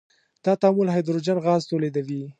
دا تعامل هایدروجن غاز تولیدوي.